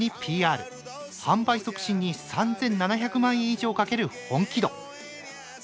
販売促進に３，７００万円以上かける本気度。